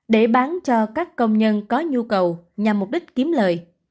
để bán cho các công nhân có nhu cầu nhằm mục đích kiếm lời